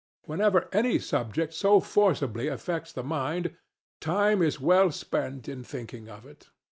Whenever any subject so forcibly affects the mind, time is well spent in thinking of it.